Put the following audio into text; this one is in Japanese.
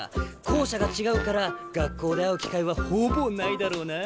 校舎が違うから学校で会う機会はほぼないだろうな。